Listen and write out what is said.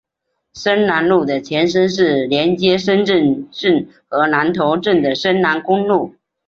深南路的前身是连接深圳镇和南头镇的深南公路。